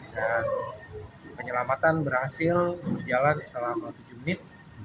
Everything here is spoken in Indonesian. dan penyelamatan berhasil berjalan selama tujuh menit